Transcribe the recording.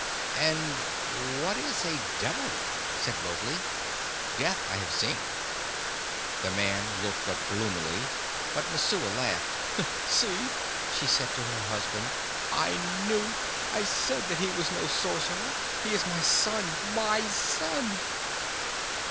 "And what is a devil?" said Mowgli. "Death I have seen." The man looked up gloomily, but Messua laughed. "See!" she said to her husband, "I knew I said that he was no sorcerer. He is my son my son!"